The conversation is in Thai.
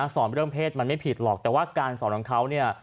สอนเรื่องเศษมันไม่ผิดหรอกแต่ว่าการสอนของเขาเนี่ย